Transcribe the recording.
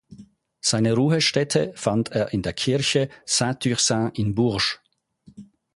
Seine Ruhestätte fand er in der Kirche St-Ursin in Bourges.